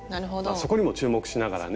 そこにも注目しながらね。